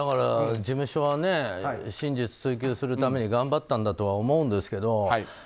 事務所は真実追及するために頑張ったんだと思うんですけど